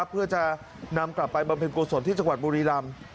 เพื่อจะนำกลับไปบำเพ็ญกุศลที่จังหวัดบุรีรำ